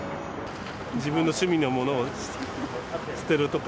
自分の趣味のものを捨てるとか。